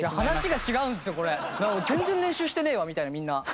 なんか「全然練習してねーわ」みたいなみんな。